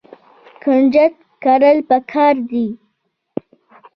کنجد کرل پکار دي.